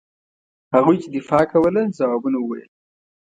هغوی چې دفاع کوله ځوابونه وویل.